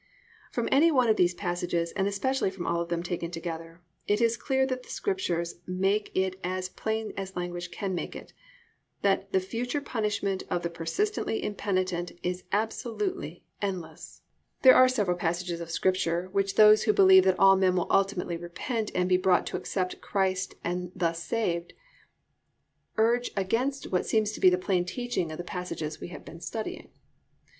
From any one of these passages and especially from all taken together, it is clear that the Scriptures make it as plain as language can make it that THE FUTURE PUNISHMENT OF THE PERSISTENTLY IMPENITENT IS ABSOLUTELY ENDLESS. II. OBJECTIONS There are several passages of Scripture which those who believe that all men will ultimately repent and be brought to accept Christ and thus saved, urge against what seems to be the plain teaching of the passages we have been studying.